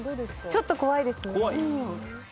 ちょっと怖いですね。